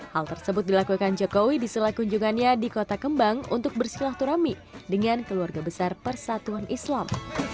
hal tersebut dilakukan jokowi di sela kunjungannya di kota kembang untuk bersilah turami dengan keluarga besar persatuan islam